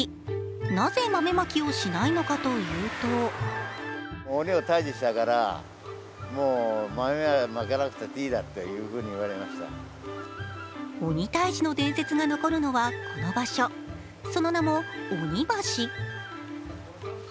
なぜ豆まきをしないのかというと鬼退治の伝説が残るのはこの場所、その名も鬼橋。